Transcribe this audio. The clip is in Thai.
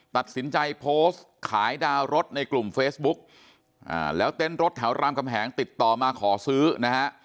ตัดสินใจโพสต์ขายดาวรถในกลุ่มเฟซบุ๊กแล้วเต้นรถแถวรามคำแหงติดต่อมาขอซื้อนะฮะ